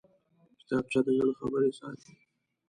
کتابچه د زړه خبرې ساتي